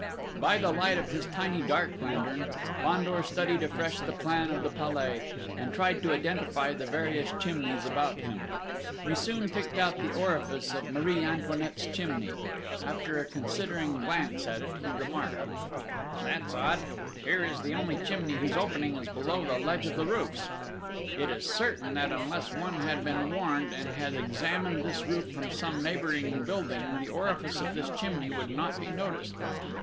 By the light of his tiny dark lantern Fandor studied afresh the plan of the Palais, and tried to identify the various chimneys about him. He soon picked out the orifice of Marie Antoinette's chimney. After a considering glance at it, he remarked: "That's odd! Here is the only chimney whose opening is below the ledge of the roofs! It is certain that unless one had been warned, and had examined this roof from some neighbouring building, the orifice of this chimney would not be noticed.